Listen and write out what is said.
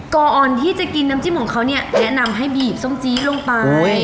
ก่อนที่จะกินน้ำจิ้มของเขาเนี่ยแนะนำให้บีบส้มจี๊ลงไป